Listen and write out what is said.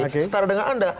setara dengan anda